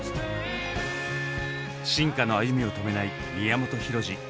進化の歩みを止めない宮本浩次。